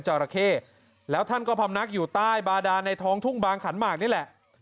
จราเข้แล้วท่านก็พำนักอยู่ใต้บาดานในท้องทุ่งบางขันหมากนี่แหละ